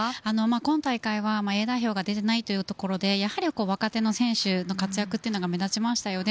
今大会はＡ代表が出ていないというところで若手の選手の活躍というのが目立ちましたよね。